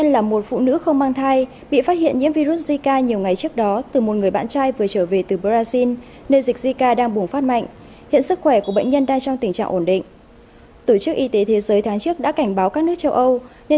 các bạn hãy đăng ký kênh để ủng hộ kênh của chúng mình nhé